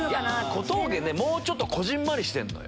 小峠もうちょっとこぢんまりしてるのよ。